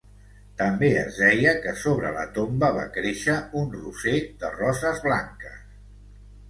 També es deia que sobre la tomba va créixer un roser de roses blanques.